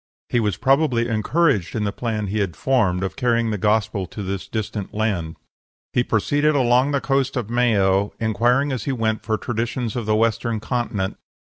He was probably encouraged in the plan he had formed of carrying the Gospel to this distant land. "He proceeded along the coast of Mayo, inquiring as he went for traditions of the Western continent.